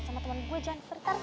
sama temen gue jangan tertarik